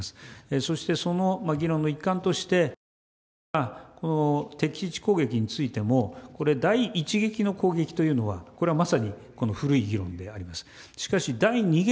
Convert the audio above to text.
そして、その議論の一環として、私は敵基地攻撃についても、これ、第１撃の攻撃というのは、これはまさに、古い議論であります。